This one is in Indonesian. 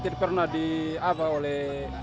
tidak pernah diapa oleh